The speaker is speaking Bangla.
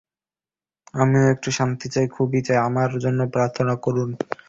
আমিও একটু শান্তি চাই, খুবই চাই, আমার জন্য প্রার্থনা করুন।